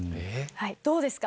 どうですか？